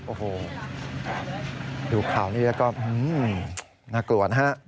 โอ้โหดูข่าวนี้แล้วก็น่ากลัวนะฮะ